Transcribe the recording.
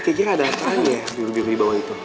kira kira ada apaan ya yang biru biru dibawah itu